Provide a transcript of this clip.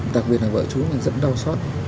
đặc biệt là vợ chú mà dẫn đau xót